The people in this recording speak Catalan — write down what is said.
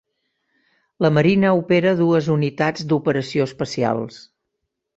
La Marina Opera dues unitats d'operació especials.